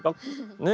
ねえ。